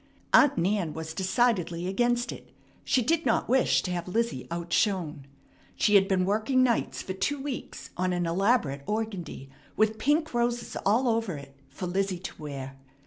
Aunt Nan was decidedly against it. She did not wish to have Lizzie outshone. She had been working nights for two weeks on an elaborate organdie, with pink roses all over it, for Lizzie to wear.